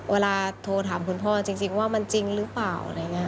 เวลาโทรถามคุณพ่อจริงว่ามันจริงหรือเปล่า